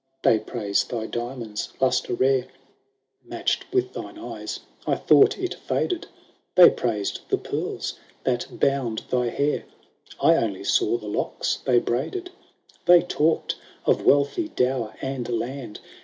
^ They praise thy diamond's lustre rare — Matched with thine eyes, I thought it faded ; They praised the pearls that bound thy hair — I only saw the locks they braided ; They talked of wealthy dower and land.